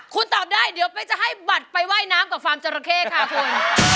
คุณตอบได้เดี๋ยวเป๊กจะให้บัตรไปว่ายน้ำกับฟาร์มจราเข้ค่ะคุณ